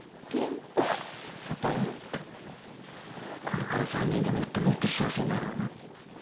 これから３人でもっともっと幸せになろうな。